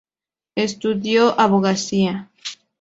Estudió abogacía.